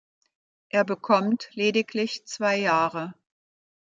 Er bekommt lediglich zwei Jahre.